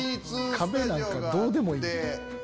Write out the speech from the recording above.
壁なんかどうでもいい。